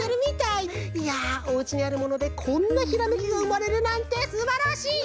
いやおうちにあるものでこんなひらめきがうまれるなんてすばらしい！